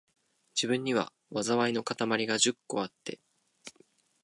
自分には、禍いのかたまりが十個あって、